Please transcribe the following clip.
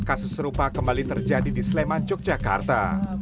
kasus serupa kembali terjadi di sleman yogyakarta